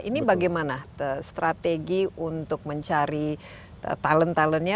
ini bagaimana strategi untuk mencari talent talentnya